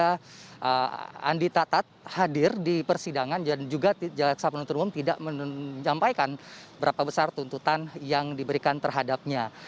karena andi tatat hadir di persidangan dan juga ceksap penuntut umum tidak menyampaikan berapa besar tuntutan yang diberikan terhadapnya